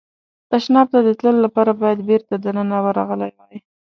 تشناب ته د تلو لپاره باید بېرته دننه ورغلی وای.